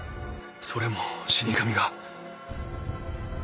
それも死神が。